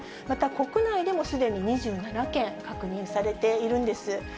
また国内でもすでに２７件、確認されているんです。